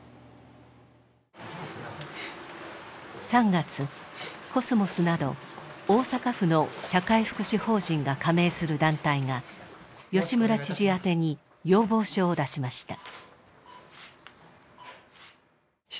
３月コスモスなど大阪府の社会福祉法人が加盟する団体が吉村知事宛てに要望書を出しました。